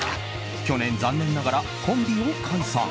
去年、残念ながらコンビを解散。